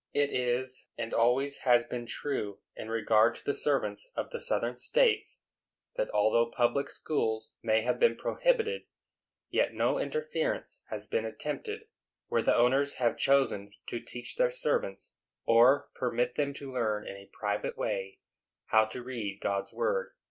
It is, and always has been true, in regard to the servants of the Southern States, that although public schools may have been prohibited, yet no interference has been attempted, where the owners have chosen to teach their servants, or permit them to learn in a private way, how to read God's word.